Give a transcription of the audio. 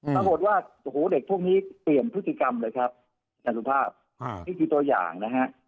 ปรากฏว่าโอ้โหเด็กพวกนี้เปลี่ยนพฤติกรรมเลยครับอาจารย์สุภาพนี่คือตัวอย่างนะฮะ